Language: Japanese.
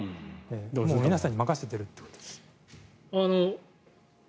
皆さんに任せてるということです。